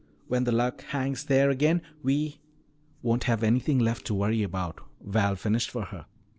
When the Luck hangs there again, we " "Won't have anything left to worry about," Val finished for her.